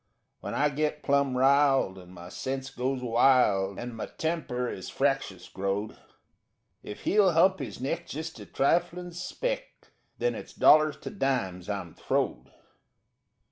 When I get plumb riled and my sense goes wild And my temper is fractious growed, If he'll hump his neck just a triflin' speck, Then it's dollars to dimes I'm throwed.